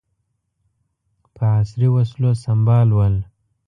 په عصري وسلو سمبال ول.